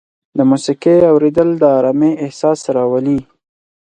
د موسیقۍ اورېدل د ارامۍ احساس راولي.